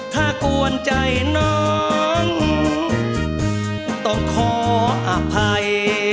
ถ้ากวนใจน้องต้องขออภัย